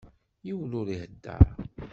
Yiwen ur ihedder.